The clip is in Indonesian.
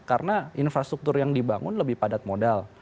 karena infrastruktur yang dibangun lebih padat modal